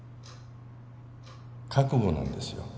覚悟なんですよ。